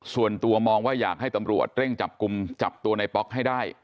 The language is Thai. ส่วนตัวมองว่าอยากให้ตำรวจเร่งจับกลุ่มจับตัวในป๊อกให้ได้